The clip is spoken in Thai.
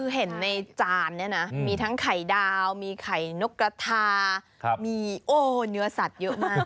คือเห็นในจานเนี่ยนะมีทั้งไข่ดาวมีไข่นกกระทามีโอ้เนื้อสัตว์เยอะมาก